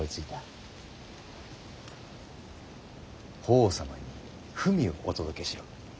法皇様に文をお届けしろ。